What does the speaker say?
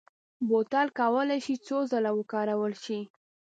بوتل کولای شي څو ځله وکارول شي.